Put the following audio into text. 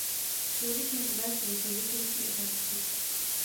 Chtěl bych jen uvést dvě související otázky.